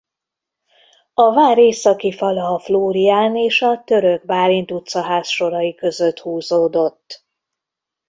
A vár északi fala a Flórián és a Török Bálint utca házsorai között húzódott.